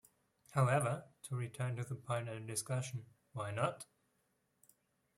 However, to return to the point under discussion, why not?